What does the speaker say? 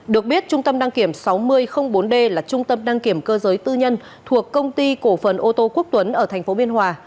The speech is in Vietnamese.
được biết trung tâm đăng kiểm sáu nghìn bốn d là trung tâm đăng kiểm cơ giới tư nhân thuộc công ty cổ phần ô tô quốc tuấn ở tp biên hòa